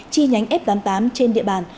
chi nhánh f tám mươi tám trên địa bàn